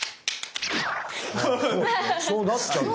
そうなっちゃうよ。